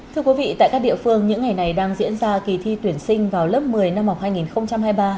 thưa quý vị tại các địa phương những ngày này đang diễn ra kỳ thi tuyển sinh vào lớp một mươi năm học hai nghìn hai mươi ba hai nghìn hai mươi bốn